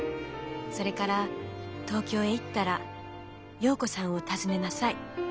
それから東京へ行ったら容子さんを訪ねなさい。